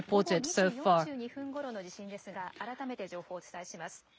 そしてその前、午後２時４２分ごろの地震ですが改めて情報をお伝えします。